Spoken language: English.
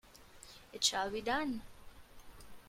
It shall be done!